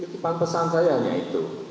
itu depan pesan saya hanya itu